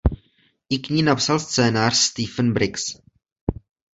I k ní napsal scénář Stephen Briggs.